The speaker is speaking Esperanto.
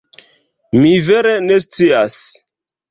Mi vere ne scias.